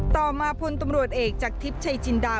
ต่อมาพลตำรวจเอกจากทิพย์ชัยจินดา